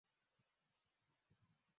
Usikuwe na ukabila.